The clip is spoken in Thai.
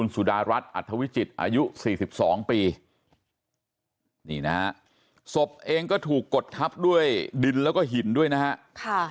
สภาพเองก็ถูกกดทับด้วยดินแล้วก็หินด้วยนะฮะ